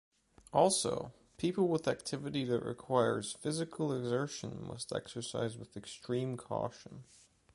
Also, people with activity that requires physical exertion must exercise with extreme caution.